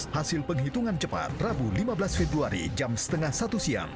hasil penghitungan cepat rabu lima belas februari jam setengah satu siang